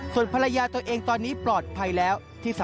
ส่วนภรรยาตัวเองตอนนี้ปลอดภัยแล้ว